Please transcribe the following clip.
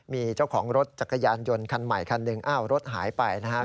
มีเจ้าของรถจักรยานยนต์คันใหม่คันหนึ่งอ้าวรถหายไปนะครับ